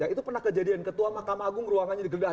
itu pernah kejadian ketua mahkamah agung ruangannya digedah